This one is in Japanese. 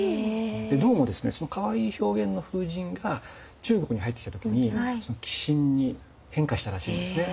でどうもですねかわいい表現の風神が中国に入ってきた時に鬼神に変化したらしいんですね。